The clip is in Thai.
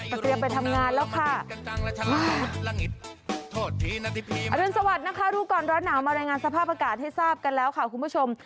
กระเกียบไปทำงานแล้วค่ะอรุณสวัสดิ์นะคะดูก่อนร้อนหนาวมารายงานสภาพอากาศให้ทราบกันแล้วค่ะคุณผู้ชม